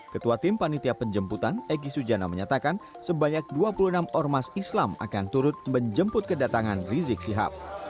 ketua tim panitia penjemputan egy sujana menyatakan sebanyak dua puluh enam ormas islam akan turut menjemput kedatangan rizik sihab